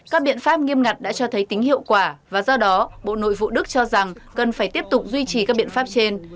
các biện pháp nghiêm ngặt đã cho thấy tính hiệu quả và do đó bộ nội vụ đức cho rằng cần phải tiếp tục duy trì các biện pháp trên